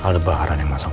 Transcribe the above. anda pinjaman tulang untuk